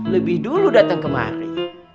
lebih dulu datang kemari